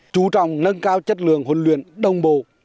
chú trọng nâng cao chất lượng huấn luyện đồng bộ